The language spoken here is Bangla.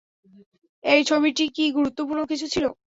এই চাবিটা কি গুরুত্বপূর্ণ কিছু ছিলো?